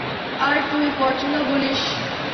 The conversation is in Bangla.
আর তুই পরচুলা বলিস।